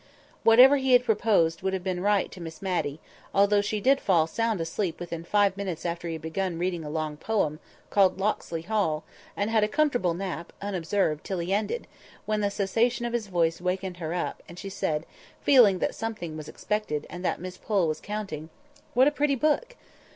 Whatever he had proposed would have been right to Miss Matty; although she did fall sound asleep within five minutes after he had begun a long poem, called "Locksley Hall," and had a comfortable nap, unobserved, till he ended; when the cessation of his voice wakened her up, and she said, feeling that something was expected, and that Miss Pole was counting— "What a pretty book!"